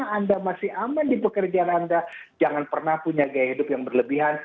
karena anda masih aman di pekerjaan anda jangan pernah punya gaya hidup yang berlebihan